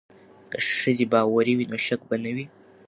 که ښځې باوري وي نو شک به نه وي.